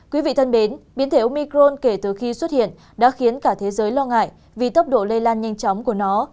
quý vị thân mến biến thể omicron kể từ khi xuất hiện đã khiến cả thế giới lo ngại vì tốc độ lây lan nhanh chóng của nó